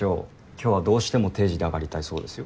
今日はどうしても定時で上がりたいそうですよ。